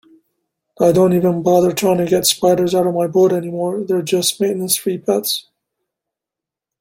I don't even bother trying to get spiders out of my boat anymore, they're just maintenance-free pets.